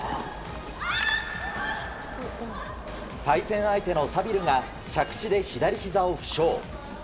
対戦相手のサビルが着地で左ひざを負傷。